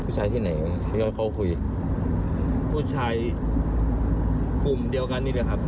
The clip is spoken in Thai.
ผู้ชายที่ไหนพี่น้องเขาคุยผู้ชายเก่ากันนี่เลยครับ